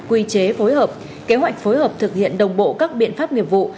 quy chế phối hợp kế hoạch phối hợp thực hiện đồng bộ các biện pháp nghiệp vụ